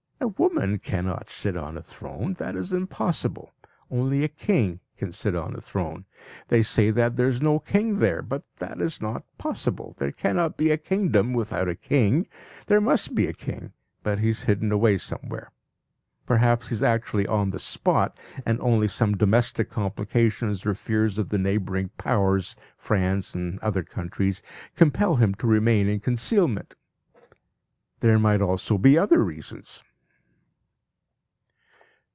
A woman cannot sit on a throne. That is impossible. Only a king can sit on a throne. They say that there is no king there, but that is not possible. There cannot be a kingdom without a king. There must be a king, but he is hidden away somewhere. Perhaps he is actually on the spot, and only some domestic complications, or fears of the neighbouring Powers, France and other countries, compel him to remain in concealment; there might also be other reasons.